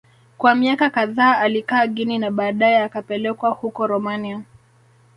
Kwa miaka kadhaa alikaa Guinea na baadae akapelekwa huko Romania